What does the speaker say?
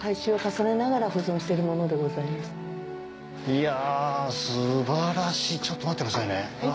いや素晴らしいちょっと待ってくださいね。